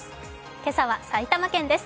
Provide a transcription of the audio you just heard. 今朝は埼玉県です。